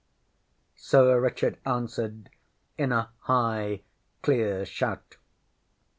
ŌĆÖ Sir Richard answered in a high clear shout.